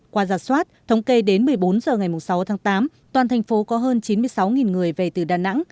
qua giả soát thống kê đến một mươi bốn h ngày sáu tháng tám toàn thành phố có hơn chín mươi sáu người về từ đà nẵng